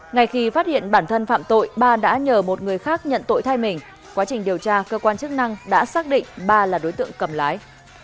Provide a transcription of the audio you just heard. ngay khi phát hiện bản thân phạm tội ba đã nhờ một người khác nhận tội thay mình quá trình điều tra cơ quan chức năng đã xác định ba là đối tượng cầm lái